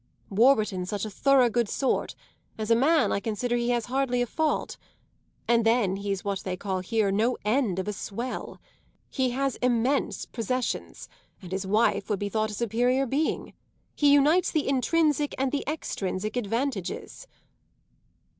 "Warburton's such a thorough good sort; as a man, I consider he has hardly a fault. And then he's what they call here no end of a swell. He has immense possessions, and his wife would be thought a superior being. He unites the intrinsic and the extrinsic advantages."